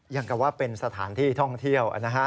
อย่างกับว่าเป็นสถานที่ท่องเที่ยวนะฮะ